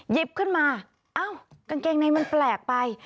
หยิบขึ้นมาเอ้ากางเกงในมันแปลกไป